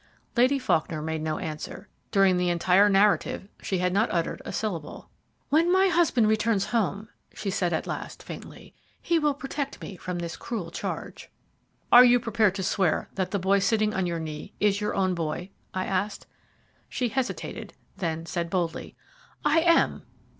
Lady Faulkner made no answer. During the entire narrative she had not uttered a syllable. "When my husband returns home," she said at last, faintly, "he will protect me from this cruel charge." "Are you prepared to swear that the boy sitting on your knee is your own boy?" I asked. She hesitated, then said boldly, "I am."